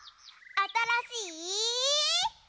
あたらしい！